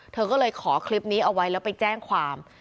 เธอก็เลยขอคลิปนี้เอาไว้แล้วไปแจ้งความ